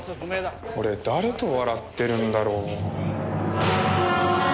これ誰と笑ってるんだろう？